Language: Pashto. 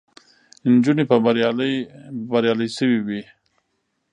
نجونې به بریالۍ سوې وي.